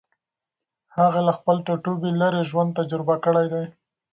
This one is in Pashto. هغې له خپل ټاټوبي لېرې ژوند تجربه کړی دی.